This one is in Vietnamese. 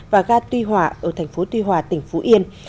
và ga tuy hòa ở thành phố tuy hòa tỉnh phú yên